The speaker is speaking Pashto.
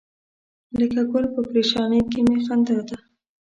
لکه ګل په پرېشانۍ کې می خندا ده.